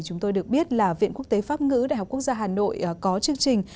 chúng tôi được biết là viện quốc tế pháp ngữ đại học quốc gia hà nội có chương trình